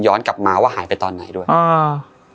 กลับมาว่าหายไปตอนไหนด้วยอ่า